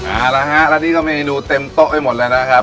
เอาละฮะแล้วนี่ก็มีเมนูเต็มโต๊ะไปหมดเลยนะครับ